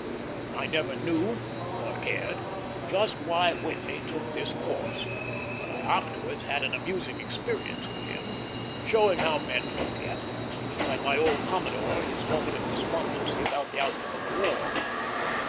I never knew, nor cared, just why Whitney took this course, but I afterwards had an amusing experience with him, showing how men forget; like my old commodore his moment of despondency about the outcome of the war.